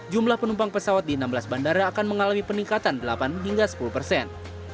jumlah penumpang pesawat di enam belas bandara akan mengalami peningkatan delapan hingga sepuluh persen